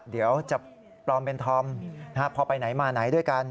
เดี๋ยวจะปลอมเป็นธอมพอไปไหนมาไหนด้วยกัน